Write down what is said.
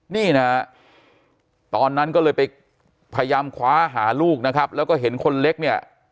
นี่นะฮะตอนนั้นก็เลยไปพยายามคว้าหาลูกนะครับแล้วก็เห็นคนเล็กเนี่ย